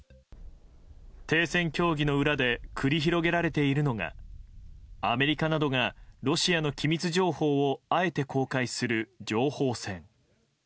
停戦協議の裏で繰り広げられているのがアメリカなどがロシアの機密情報をあえて公開する情報戦。